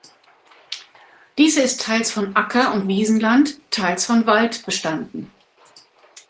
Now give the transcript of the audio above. Diese ist teils von Acker- und Wiesenland, teils von Wald bestanden.